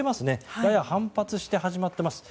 やや反発して始まっています。